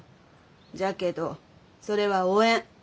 じゃけどそれはおえん。